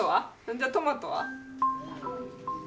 じゃあトマトは？